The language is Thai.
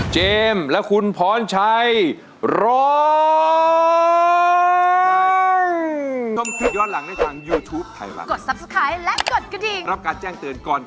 เจมส์และคุณพร้อมชัยร้อง